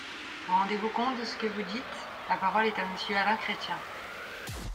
Vous rendez-vous compte de ce que vous dites ? La parole est à Monsieur Alain Chrétien.